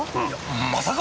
まさか！